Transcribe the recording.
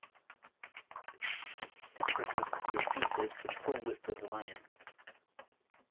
This process could be repeated for the full width of the line.